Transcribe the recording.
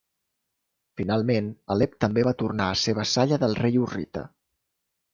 Finalment Alep també va tornar a ser vassalla del rei hurrita.